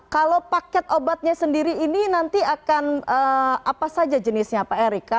kalau paket obatnya sendiri ini nanti akan apa saja jenisnya pak erika